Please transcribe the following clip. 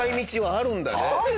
あるんだね。